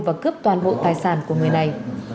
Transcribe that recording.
và cướp toàn bộ tài sản của người này